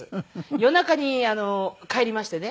夜中に帰りましてね